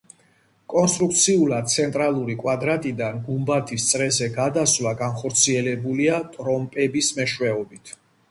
კონსტრუქციულად ცენტრალური კვადრატიდან გუმბათის წრეზე გადასვლა განხორციელებულია ტრომპების მეშვეობით.